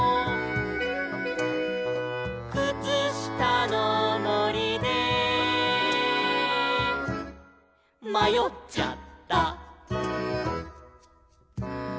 「くつしたのもりでまよっちゃった」